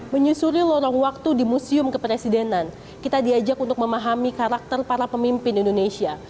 menyusuri lorong waktu di museum kepresidenan kita diajak untuk memahami karakter para pemimpin indonesia